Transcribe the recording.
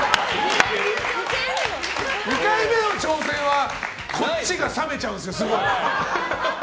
２回目の挑戦はこっちが冷めちゃうんですよ。